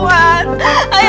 ayah udah gak kuat